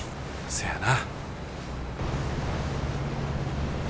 せやな。